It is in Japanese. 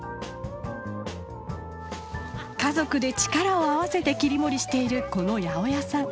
家族で力を合わせて切り盛りしているこの八百屋さん。